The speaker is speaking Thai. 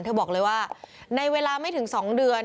บอกเลยว่าในเวลาไม่ถึง๒เดือน